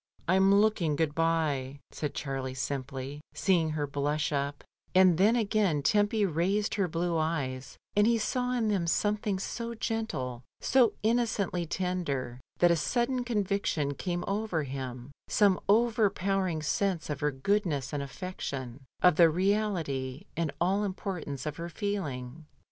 "I'm looking good bye," said Qiarlie simply, see ing her blush up; and then again Tempy raised her blue eyes, and he saw in them something so gentle, so innocently tender, that a sudden conviction came over him, some overpowering sense of her goodness and affection, of the reality and all importance of her feeling.